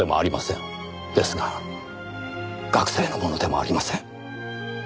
ですが学生のものでもありません。